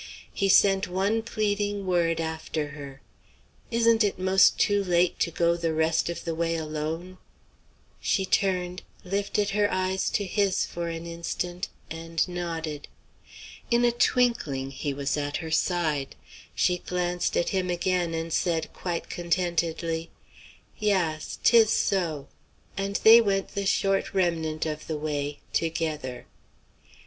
He sent one pleading word after her: "Isn't it most too late to go the rest of the way alone?" She turned, lifted her eyes to his for an instant, and nodded. In a twinkling he was at her side. She glanced at him again and said quite contentedly: "Yass; 'tis so," and they went the short remnant of the way together.